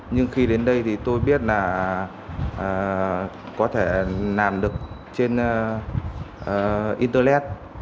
nhưng khi đến đây thì tôi biết là có thể làm được trên internet